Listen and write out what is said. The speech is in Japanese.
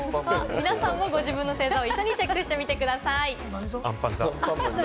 皆さんもご自身の星座をチェックしてください。